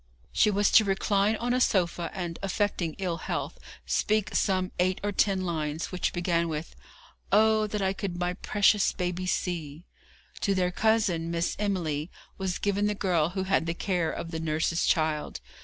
She was to recline on a sofa, and, affecting ill health, speak some eight or ten lines, which began with, 'Oh, that I could my precious baby see!' To their cousin, Miss Emily , was given the girl who had the care of the nurse's child.